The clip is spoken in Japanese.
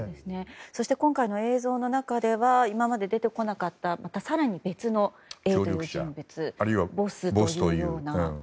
そして今回の映像の中では今まで出てこなかった更に別のＡという人物やボスというような。